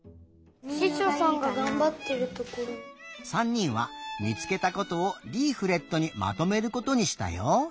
３にんはみつけたことをリーフレットにまとめることにしたよ。